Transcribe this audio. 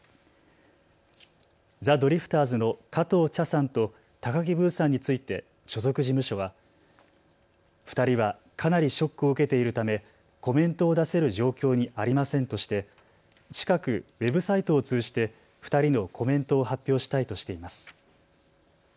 ザ・ドリフターズの加藤茶さんと高木ブーさんについて所属事務所は２人はかなりショックを受けているためコメントを出せる状況にありませんとして近くウェブサイトを通じて２人のコメントを発表したいとしています。